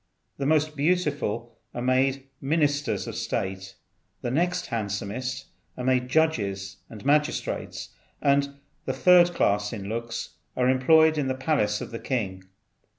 The most beautiful are made ministers of state; the next handsomest are made judges and magistrates; and the third class in looks are employed in the palace of the king.